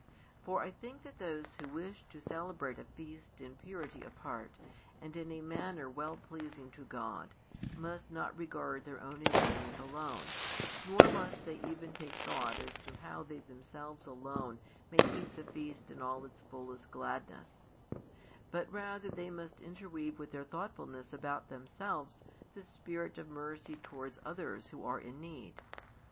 For I think that those who wish to celebrate a feast in purity of heart and in a manner well pleasing to God must not regard their own enjoyment alone, nor must they even take thought as to how |206 they themselves alone may keep the feast in all its fullest gladness; but rather they must interweave with their thoughtfulness about themselves the spirit of mercy towards others who are in need.